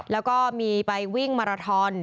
แล้วก็มีไปวิ่งมาราทอน